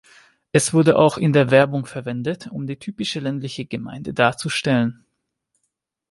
Es wurde auch in der Werbung verwendet, um die typische ländliche Gemeinde darzustellen.